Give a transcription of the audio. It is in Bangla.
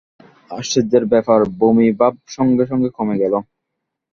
আশ্চর্যের ব্যাপার, বমি-ভাব সঙ্গে সঙ্গে কমে গেল।